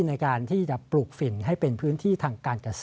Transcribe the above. ในการที่จะปลูกฝิ่นให้เป็นพื้นที่ทางการเกษตร